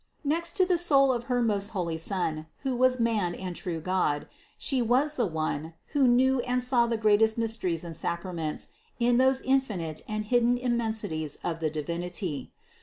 Next to the Soul of her most holy Son, who was man and true God, She was the one, who knew and saw the greatest mysteries and sacraments in those in finite and hidden immensities of the Divinity.